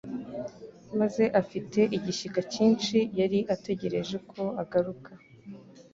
maze afite igishyika cyinshi yari ategereje ko agaruka.